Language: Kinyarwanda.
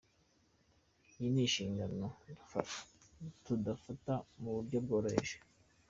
Iyi ni inshingano tudafata mu buryo bworoheje.